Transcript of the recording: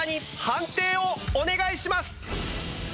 判定をお願いします。